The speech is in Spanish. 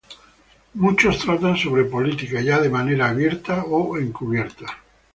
Muchos tratan sobre política, ya de manera abierta o encubierta.